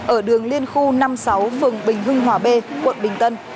ở đường liên khu năm mươi sáu phường bình hưng hòa b quận bình tân